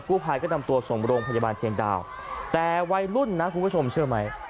ผู้ภัยก็นำตัวส่งโรงพยาบาลเชียงดาวแต่วัยรุ่นนะคุณผู้ชมเชื่อไหม